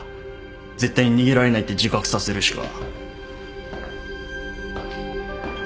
絶対に逃げられないって自覚させるしか。